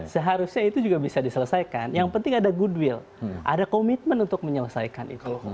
seharusnya itu juga bisa diselesaikan yang penting ada goodwill ada komitmen untuk menyelesaikan itu